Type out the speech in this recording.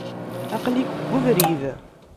Aql-ik deg webrid.